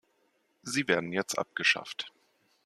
Sie werden jetzt abgeschafft.